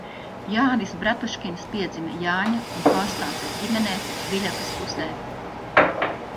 Jānis Bratuškins piedzima Jāņa un Konstances ģimenē Viļakas pusē.